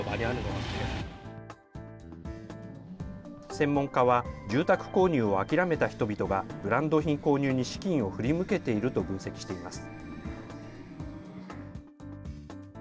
専門家は、住宅購入を諦めた人々が、ブランド品購入に資金を振り向けていると分析しています。